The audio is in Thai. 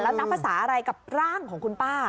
นับภาษาอะไรกับร่างของคุณป้า